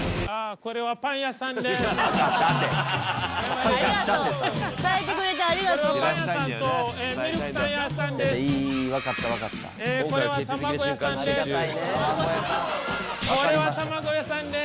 これは卵屋さんです。